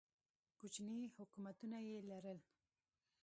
کوچني حکومتونه یې لرل.